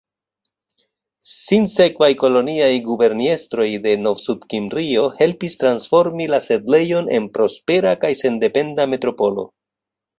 Sinsekvaj koloniaj guberniestroj de Novsudkimrio helpis transformi la setlejon en prospera kaj sendependa metropolo.